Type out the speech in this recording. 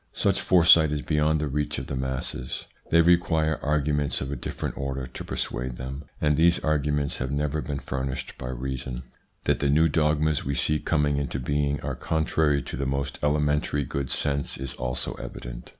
Such foresight is beyond the reach of the masses. They require arguments of a different order to per suade them, and these arguments have never been furnished by reason. That the new dogmas we see coming into being are contrary to the most elementary good sense is also evident.